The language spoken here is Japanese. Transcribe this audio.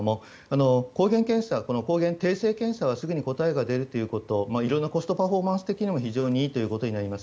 抗原検査、この抗原定性検査はすぐに答えが出るということ色んなコストパフォーマンス的にも非常にいいということになります。